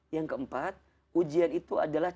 yang keempat ujian itu adalah